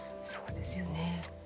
そうですよね。